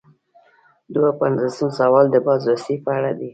دوه پنځوسم سوال د بازرسۍ په اړه دی.